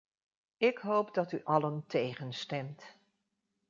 Ik hoop dat u allen tegen stemt.